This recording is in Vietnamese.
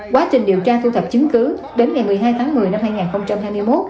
quá trình điều tra thu thập chứng cứ đến ngày một mươi hai tháng một mươi năm hai nghìn hai mươi một